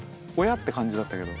って感じだったけど。